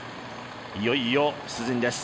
いよいよ、出陣です。